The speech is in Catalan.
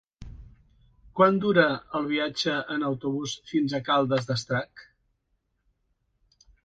Quant dura el viatge en autobús fins a Caldes d'Estrac?